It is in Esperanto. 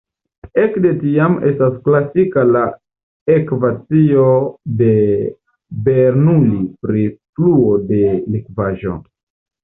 Ekde tiam estas klasika la ekvacio de Bernoulli pri fluo de likvaĵo.